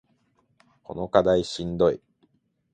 この課題しんどい